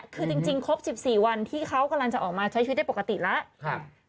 คือจริงครบ๑๔วันที่เขากำลังจะออกมาใช้ชีวิตได้ปกติแล้ว